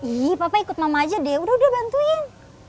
wih papa ikut mama aja deh udah dia bantuin